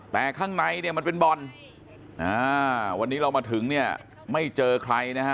แต่ข้างในเนี่ยมันเป็นบ่อนอ่าวันนี้เรามาถึงเนี่ยไม่เจอใครนะฮะ